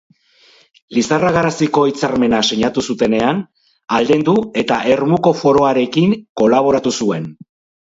Lizarra-Garaziko Hitzarmena sinatu zutenean, aldendu eta Ermuko Foroarekin kolaboratu zuen.